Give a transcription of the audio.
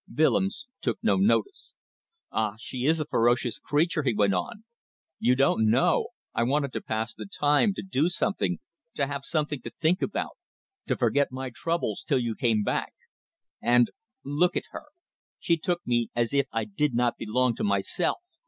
Willems took no notice. "Ah! She is a ferocious creature," he went on. "You don't know ... I wanted to pass the time to do something to have something to think about to forget my troubles till you came back. And ... look at her ... she took me as if I did not belong to myself.